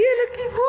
ini ari anak ibu